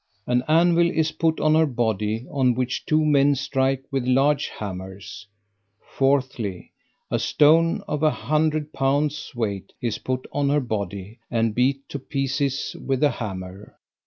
An anvil is put on her body, on which two men strike with large hammers. 4thly. A stone of a hundred pounds weight is put on her body, and beat to pieces with a hammer.